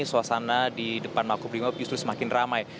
suasana di depan mako berimob justru semakin ramai